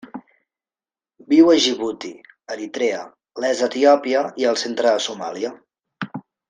Viu a Djibouti, Eritrea, l'est d'Etiòpia i el centre de Somàlia.